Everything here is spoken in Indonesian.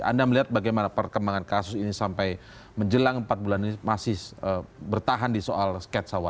anda melihat bagaimana perkembangan kasus ini sampai menjelang empat bulan ini masih bertahan di soal sketsa wajah